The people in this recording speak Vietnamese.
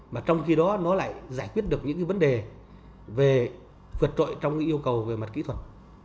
mà trong khi đó nó lại giải quyết được những cái vấn đề về vượt trội trong cái yêu cầu về mặt kỹ thuật